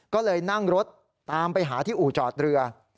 ก็เลยนั่งรถตามไปหาที่อู่จอดเรือ